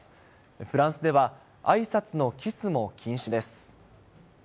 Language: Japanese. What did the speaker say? フランスでは、あいさつのキスも禁止です。